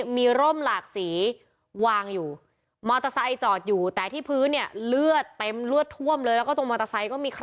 มีโร่มหลาก